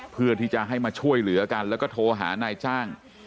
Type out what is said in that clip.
เพื่อที่จะให้มาช่วยเหลือกันแล้วก็โทรหานายจ้าง